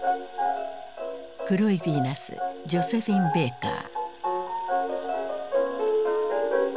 黒いビーナスジョセフィン・ベーカー。